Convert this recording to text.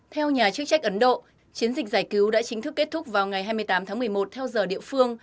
theo nhà chức trách ấn độ chiến dịch giải cứu đã chính thức kết thúc vào ngày hai mươi tám tháng một mươi một theo giờ địa phương